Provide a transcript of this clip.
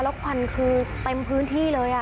แล้วควันคือเต็มพื้นที่เลย